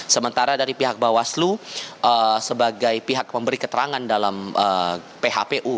sementara dari pihak bawaslu sebagai pihak pemberi keterangan dalam phpu